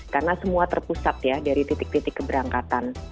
karena semua terpusat ya dari titik titik keberangkatan